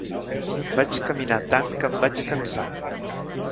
Vaig caminar tant que em vaig cansar.